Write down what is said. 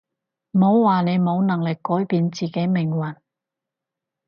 唔好話你冇能力改變自己命運